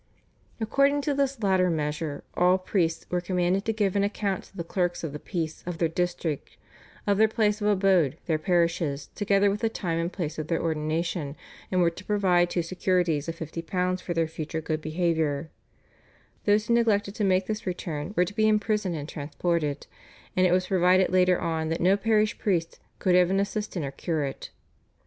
According to this latter measure all priests were commanded to give an account to the clerks of the peace of their district, of their place of abode, their parishes, together with the time and place of their ordination, and were to provide two securities of £50 for their future good behaviour; those who neglected to make this return were to be imprisoned and transported; and it was provided later on that no parish priest could have an assistant or curate.